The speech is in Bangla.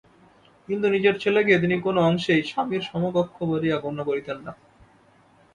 কিন্তু নিজের ছেলেকে তিনি কোনো অংশেই স্বামীর সমকক্ষ বলিয়া গণ্য করিতেন না।